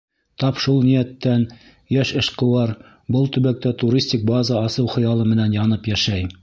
Тап шул ниәттән йәш эшҡыуар был төбәктә туристик база асыу хыялы менән янып йәшәй.